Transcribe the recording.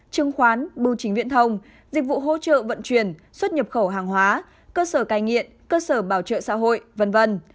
chứng khoán bưu chính viễn thông dịch vụ hỗ trợ vận chuyển xuất nhập khẩu hàng hóa cơ sở cai nghiện cơ sở bảo trợ xã hội v v